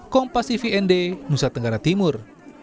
kompas tvnd nusa tenggara timur